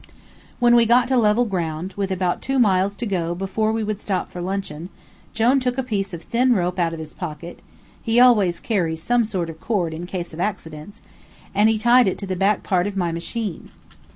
When we got to level ground, with about two miles to go before we would stop for luncheon, Jone took a piece of thin rope out of his pocket he always carries some sort of cord in case of accidents and he tied it to the back part of my machine.